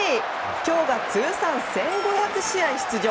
今日が通算１５００試合出場。